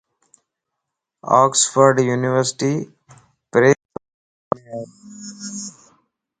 اوڪسفورڊ يونيورسٽي پريس پاڪستان مَ ائي.